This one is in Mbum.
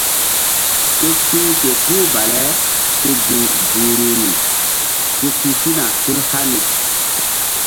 Ke ti̧h ke puh baleke ziŋ duhruri ku si sina tul hani.